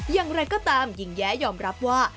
อย่างไรก็ตามหญิงแย้ยอมรับว่า